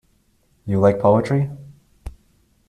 You like poetry?